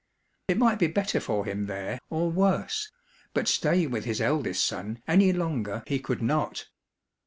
It might be better for him there or worse, but stay with his eldest son any longer he could not.